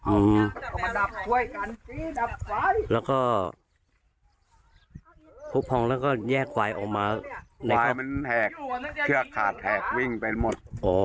อืมแล้วก็แล้วก็แล้วก็แยกควายออกมาควายมันแหกเครื่องขาดแหกวิ่งไปหมด